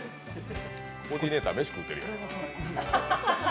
コーディネーター、飯食うてるよ。